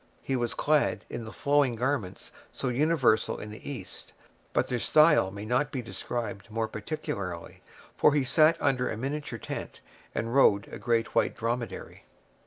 He was clad in the flowing garments so universal in the East; but their style may not be described more particularly, for he sat under a miniature tent, and rode a great white dromedary.